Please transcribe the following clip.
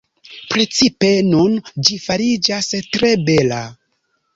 Precipe nun ĝi fariĝas tre bela.